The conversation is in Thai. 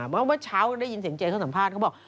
เมื่อเช้าได้ยินเสียงเจ๊เขาสัมภาษณ์เขาบอก